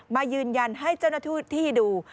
มายืนยันให้เจ้าหน้าที่ที่ดู